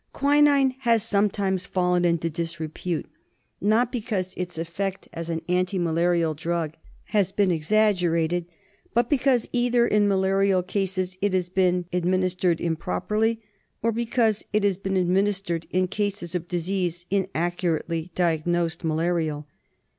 Quinine has sometimes fallen into disrepute ; not because its effect as an anti malarial drug has been exaggerated, but because either in malarial cases it has been administered improperly, or because it has been administered in cases of disease inaccurately diagnosed malarial.